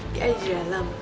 dia ada di dalam